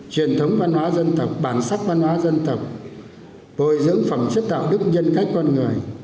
truyền thống văn hóa dân tộc bản sắc văn hóa dân tộc bồi dưỡng phẩm chất đạo đức nhân cách con người